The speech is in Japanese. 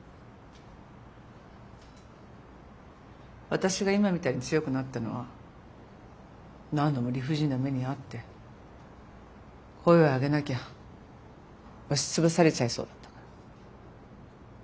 私が今みたいに強くなったのは何度も理不尽な目に遭って声を上げなきゃ押し潰されちゃいそうだったから。